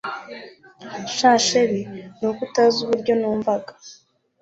shn chr nuko utazi uburyo numvaga